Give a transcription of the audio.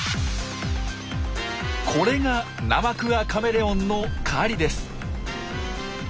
これがナマクアカメレオンの狩りです。